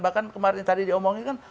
bahkan kemarin tadi diomongin kan